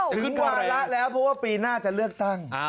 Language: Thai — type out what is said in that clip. วาระแล้วเพราะว่าปีหน้าจะเลือกตั้ง